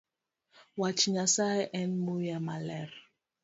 Wach Nyasaye en muya maler